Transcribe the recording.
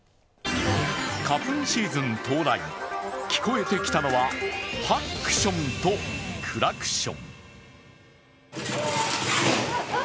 花粉シーズン到来、聞こえてきたのはハックションとクラクション。